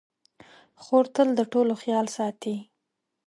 خور تل د ټولو خیال ساتي.